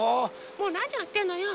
もうなにやってんのよ。